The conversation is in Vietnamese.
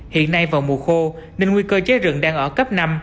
hiện nay vào mùa khô nên nguy cơ cháy rừng đang ở cấp năm